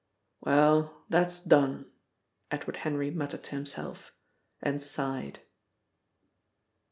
"Well, that's done!" Edward Henry muttered to himself, and sighed.